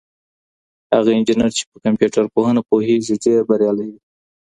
هغه انجنیر چي په کمپيوټر پوهنه پوهېږي، ډېر بریالی دی.